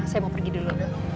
saya mau pergi dulu